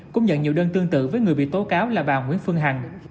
cũng nhận nhiều đơn tương tự với người bị tố cáo là bà nguyễn phương hằng